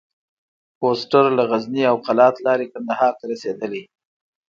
فورسټر له غزني او قلات لاري کندهار ته رسېدلی.